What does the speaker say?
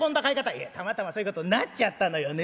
「いやたまたまそういうことになっちゃったのよね！